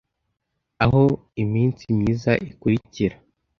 aho iminsi myiza ikurikira